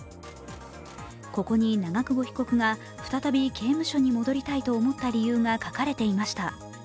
ここに長久保被告が再び刑務所に戻りたいと思った理由が書かれていました。